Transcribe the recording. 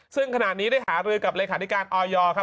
ซึ่งขณะนี้ได้หารือกับเลขาธิการออยครับ